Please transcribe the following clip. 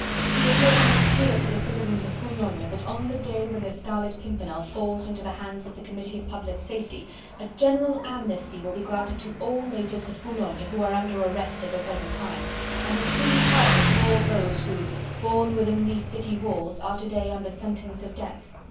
He is making it clear to the citizens of Boulogne that on the day when the Scarlet Pimpernel falls into the hands of the Committee of Public Safety a general amnesty will be granted to all natives of Boulogne who are under arrest at the present time, and a free pardon to all those who, born within these city walls, are to day under sentence of death....